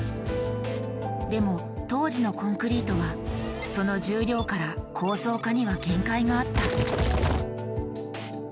でも当時のコンクリートはその重量から「高層化」には限界があった。